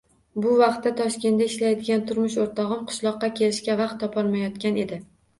Bu vaqtda Toshkentda ishlaydigan turmush o`rtog`im qishloqqa kelishga vaqt topolmayotgan edi